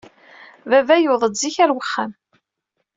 Baba yewweḍ-d zik ɣer uxxam.